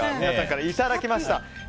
皆さんからいただきました。